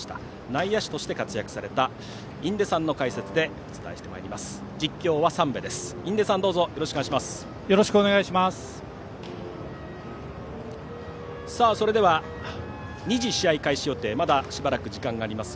内野手として活躍された印出さんの解説でお伝えしてまいります。